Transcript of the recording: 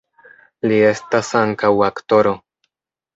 Li estas ankaŭ aktoro.